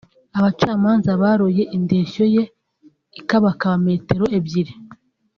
Abacamanza baroye indeshyo ye ikabakaba metero ebyiri